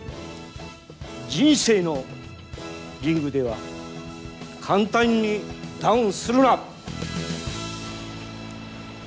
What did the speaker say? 人生のリングでは簡単にダウンするな。